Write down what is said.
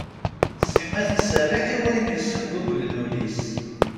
Sima tettserriḥ i wayen yessenguglen ul-is.